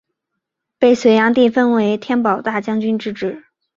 被隋炀帝封为天保大将军之职。